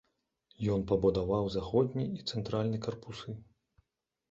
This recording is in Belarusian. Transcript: Ён пабудаваў заходні і цэнтральны карпусы.